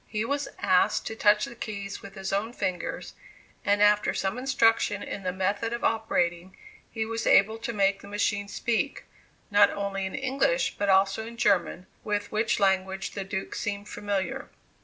He was asked to touch the keys with his own fingers, and after some instruction in the method of operating, he was able to make the machine speak, not only in English but also in German, with which language the Duke seemed familiar.